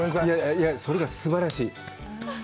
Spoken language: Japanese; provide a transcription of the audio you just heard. いや、それがね、すばらしい！